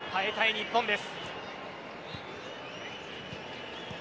耐えたい日本です。